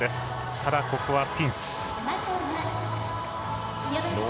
ただ、ここはピンチ。